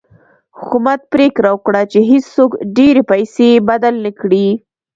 حکومت پرېکړه وکړه چې هېڅوک ډېرې پیسې بدل نه کړي.